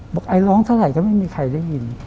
ไอร้องเท่าไหร่ก็ไม่มีใครได้ยิน